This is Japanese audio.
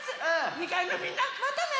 ２かいのみんなまたね！